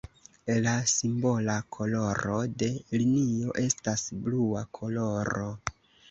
La simbola koloro de linio estas blua koloro.